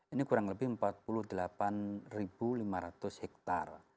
ini kurang lebih empat puluh delapan lima ratus hektare